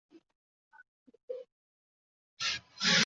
埃尔博尔。